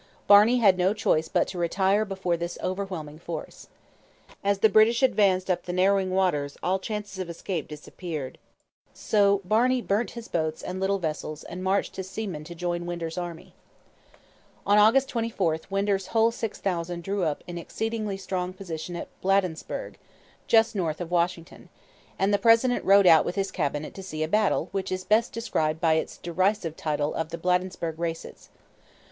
Barney had no choice but to retire before this overwhelming force. As the British advanced up the narrowing waters all chance of escape disappeared; so Barney burnt his boats and little vessels and marched his seamen in to join Winder's army. On August 24 Winder's whole six thousand drew up in an exceedingly strong position at Bladensburg, just north of Washington; and the President rode out with his Cabinet to see a battle which is best described by its derisive title of the Bladensburg Races.